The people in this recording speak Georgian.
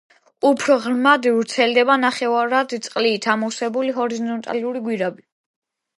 უფრო ღრმად ვრცელდება ნახევრად წყლით ამოვსებული ჰორიზონტალური გვირაბი.